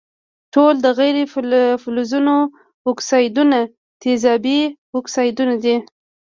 ټول د غیر فلزونو اکسایدونه تیزابي اکسایدونه دي.